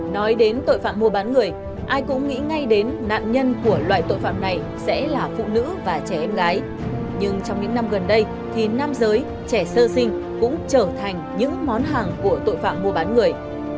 nói đến tội phạm mua bán người ai cũng nghĩ ngay đến nạn nhân của loại tội phạm này sẽ là phụ nữ và trẻ em gái nhưng trong những năm gần đây thì nam giới trẻ sơ sinh cũng trở thành những món hàng của tội phạm mua bán người